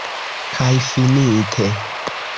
Kaj finite.